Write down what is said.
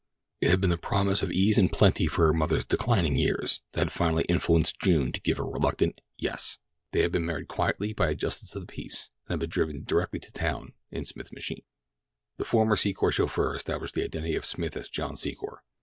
It had been the promise of ease and plenty for her mother's declining years that had finally influenced June to give a reluctant "yes." They had been married quietly by a justice of the peace, and had been driven directly to town in Smith's machine. The former Secor chauffeur established the identity of Smith as John Secor.